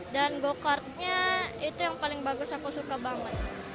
dan go kartnya itu yang paling bagus aku suka banget